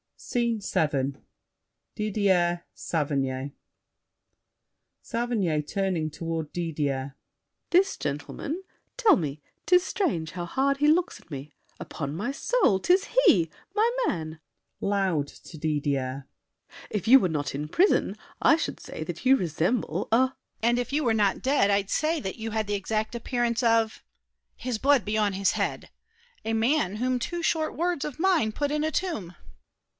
SCENE VII Didier, Saverny SAVERNY (turning toward Didier). This gentleman? Tell me— 'Tis strange how hard he looks at me! Upon my soul, 'tis he! My man! [Loud to Didier.] If you Were not in prison, I should say that you Resemble a— DIDIER. And if you were not dead, I'd say That you had the exact appearance of— His blood be on his head!—a man whom two Short words of mine put in a tomb.